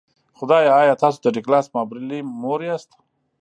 خدایه ایا تاسو د ډګلاس مابرلي مور یاست